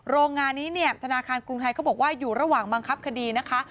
โรงงานนี้เนี่ยธนาคารกรุงไทยเขาบอกว่าอยู่ระหว่างบังคับคดีนะคะ